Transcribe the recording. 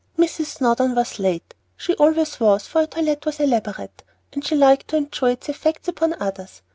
Mrs. Snowdon was late. She always was, for her toilet was elaborate, and she liked to enjoy its effects upon others.